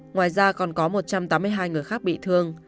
ngoài ra còn có một trăm tám mươi hai người khác bị thương